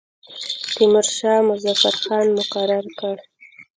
تیمورشاه مظفر خان مقرر کړ.